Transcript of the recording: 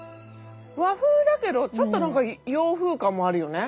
和風だけどちょっと何か洋風感もあるよね。